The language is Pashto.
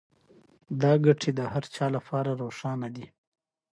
د انلاین بانکوالۍ ګټې د هر چا لپاره روښانه دي.